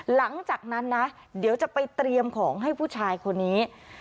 หลังจากนั้นนะเดี๋ยวจะไปเตรียมของให้ผู้ชายคนนี้